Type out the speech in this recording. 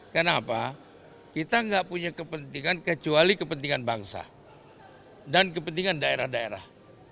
kenapa kita tidak punya kepentingan kecuali kepentingan bangsa dan kepentingan daerah daerah